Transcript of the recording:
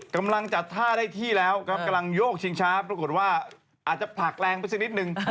กำลังจัดท่าได้ที่แล้วครับกำลังโยกชิงช้าปรากฏว่าอาจจะผลักแรงไปสักนิดนึง